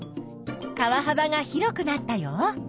川はばが広くなったよ。